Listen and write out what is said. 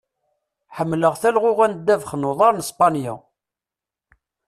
Ḥemmleɣ talɣuɣa n ddabex n uḍar n Spanya.